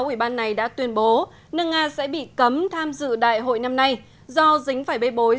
ủy ban này đã tuyên bố nước nga sẽ bị cấm tham dự đại hội năm nay do dính phải bê bối